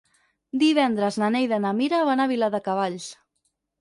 Divendres na Neida i na Mira van a Viladecavalls.